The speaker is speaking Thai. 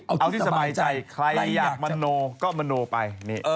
เอาที่สบายใจใครอยากมโนก็มโนไป